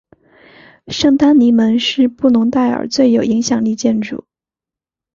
圣丹尼门是布隆代尔最有影响力建筑。